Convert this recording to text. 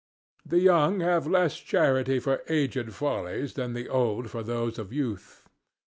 The young have less charity for aged follies than the old for those of youth.